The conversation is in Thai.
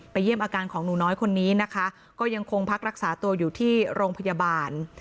เยี่ยมอาการของหนูน้อยคนนี้นะคะก็ยังคงพักรักษาตัวอยู่ที่โรงพยาบาล